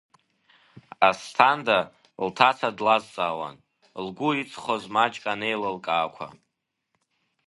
Асҭанда лҭаца длызҵаауан, лгәы иҵхоз маҷк анеилылкаақәа.